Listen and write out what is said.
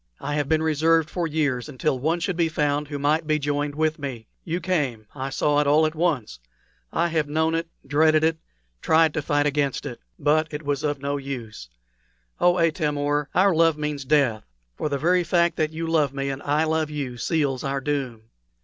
I have been reserved for years until one should be found who might be joined with me. You came. I saw it all at once. I have known it dreaded it tried to fight against it. But it was of no use. Oh, Atam or, our love means death; for the very fact that you love me and I love you seals our doom!"